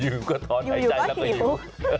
อยู่ก็ถอนหายใจแล้วก็หิว